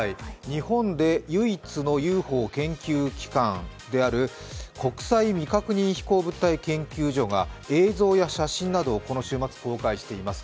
日本で唯一のＵＦＯ研究機関である国際未確認飛行物体研究所が映像や写真などこの週末公開しています。